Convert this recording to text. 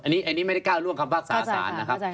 อันนี้ไม่ได้ก้าวล่วงคำภาษาสารนะครับ